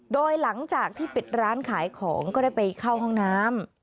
โดยหลังจากที่ปิดร้านขายของก็ได้ไปเข้าห้องน้ำ